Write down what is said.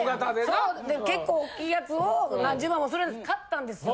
そう結構大きいやつを何十万もするんです買ったんですよ。